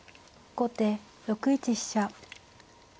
後手６一飛車。